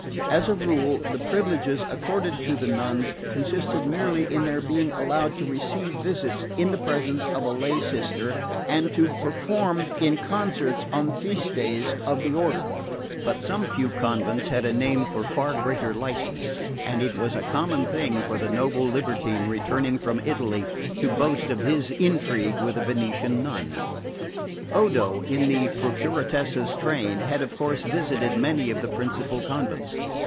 As a rule the privileges accorded to the nuns consisted merely in their being allowed to receive visits in the presence of a lay sister, and to perform in concerts on the feast days of the order; but some few convents had a name for far greater license, and it was a common thing for the noble libertine returned from Italy to boast of his intrigue with a Venetian nun. Odo, in the Procuratessa's train, had of course visited many of the principal convents.